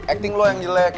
acting lo yang jelek